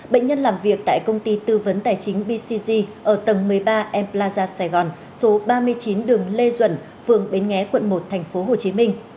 bệnh nhân làm việc tại công ty tư vấn tài chính bcg ở tầng một mươi ba em plaza sài gòn số ba mươi chín đường lê duẩn phường bến nghé quận một tp hcm